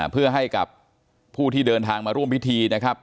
เพื่อให้กับผู้ที่เดินทางมาร่วมพิธีนะครับ